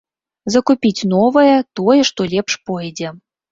Закупіць новае, тое, што лепш пойдзе.